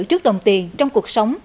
trước đồng tiền trong cuộc sống